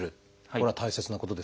これは大切なことですか？